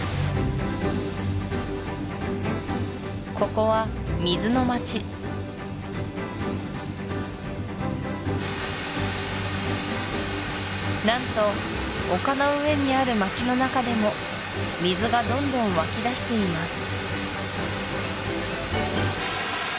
ここは水の街何と丘の上にある街の中でも水がどんどん湧きだしています